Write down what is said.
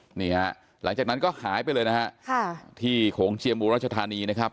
นี่ฮะหลังจากนั้นก็หายไปเลยนะฮะค่ะที่โขงเจียมอุรัชธานีนะครับ